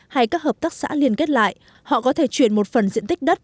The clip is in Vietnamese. hay các hợp tác xã liên kết lại họ có thể chuyển một phần diện tích đất